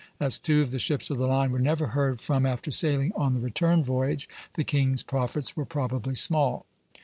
As two of the ships of the line were never heard from after sailing on the return voyage, the king's profits were probably small.